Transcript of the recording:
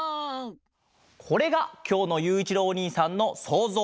これがきょうのゆういちろうおにいさんのそうぞう。